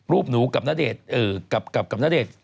รูปหนูกับณเดชน์